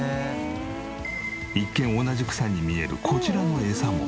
一見同じ草に見えるこちらのエサも。